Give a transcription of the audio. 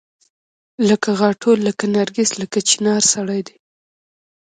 لکه غاټول لکه نرګس لکه چنارسړی دی